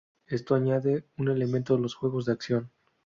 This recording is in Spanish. Esto añade un elemento de los juegos de acción.